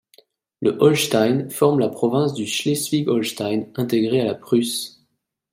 Le Hosltein forme la province du Schleswig-Holstein intégré à la Prusse.